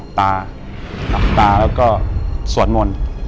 กุมารพายคือเหมือนกับว่าเขาจะมีอิทธิฤทธิ์ที่เยอะกว่ากุมารทองธรรมดา